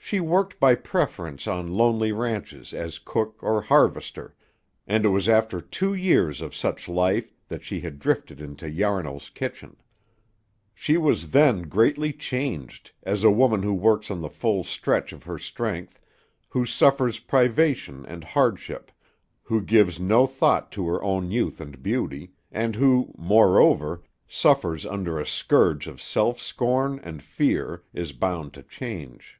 She worked by preference on lonely ranches as cook or harvester, and it was after two years of such life that she had drifted into Yarnall's kitchen. She was then greatly changed, as a woman who works to the full stretch of her strength, who suffers privation and hardship, who gives no thought to her own youth and beauty, and who, moreover, suffers under a scourge of self scorn and fear, is bound to change.